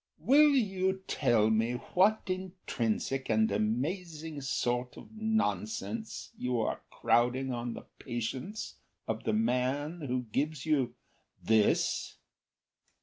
"Will you tell me what intrinsic and amazing sort of nonsense You are crowding on the patience of the man who gives you this?